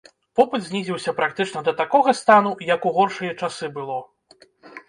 Попыт знізіўся практычна да такога стану, як у горшыя часы было.